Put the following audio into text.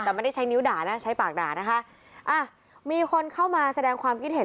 แต่ไม่ได้ใช้นิ้วด่านะใช้ปากด่านะคะอ่ะมีคนเข้ามาแสดงความคิดเห็น